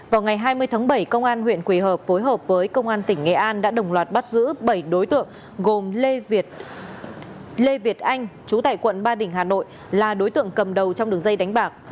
vào ngày hai mươi tháng bảy công an huyện quỳ hợp phối hợp với công an tỉnh nghệ an đã đồng loạt bắt giữ bảy đối tượng gồm lê việt anh chú tại quận ba đình hà nội là đối tượng cầm đầu trong đường dây đánh bạc